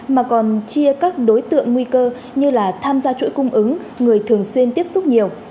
mà còn chia các đối tượng nguy cơ như là tham gia chuỗi cung ứng người thường xuyên tiếp xúc nhiều